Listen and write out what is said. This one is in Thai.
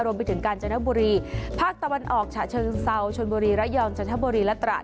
รวมไปถึงกาญจนบุรีภาคตะวันออกฉะเชิงเซาชนบุรีระยองจันทบุรีและตราด